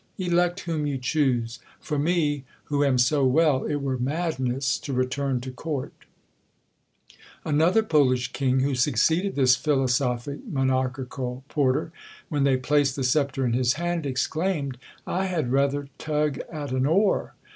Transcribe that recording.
Elect whom you choose. For me, who am so well, it were madness to return to court." Another Polish king, who succeeded this philosophic monarchical porter, when they placed the sceptre in his hand, exclaimed "I had rather tug at an oar!"